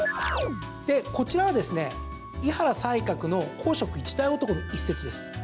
で、こちらはですね井原西鶴の「好色一代男」の一節です。